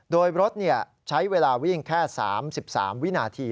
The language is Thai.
โดยรถใช้เวลาวิ่งแค่๓๓วินาที